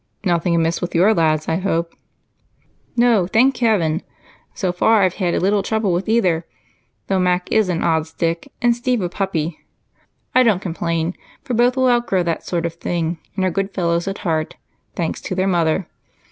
"Nothing amiss with your lads, I hope?" "No, thank heaven! So far I've had little trouble with either, though Mac is an odd stick and Steve a puppy. I don't complain, for both will outgrow that sort of thing and are good fellows at heart, thanks to their mother.